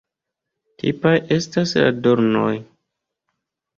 Tipaj estas la dornoj.